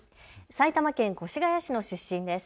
埼玉県越谷市の出身です。